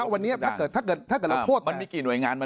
วันนี้ถ้าเกิดเราโทษแต่